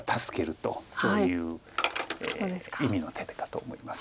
そういう意味の手かと思います。